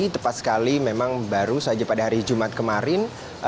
tepat sekali memang baru saja pada hari jumat kemarin